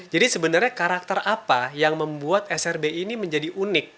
sebenarnya karakter apa yang membuat srb ini menjadi unik